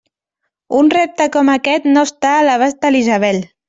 Un repte com aquest no està a l'abast de la Isabel!